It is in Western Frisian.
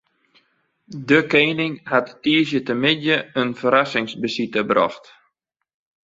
De kening hat tiisdeitemiddei in ferrassingsbesite brocht.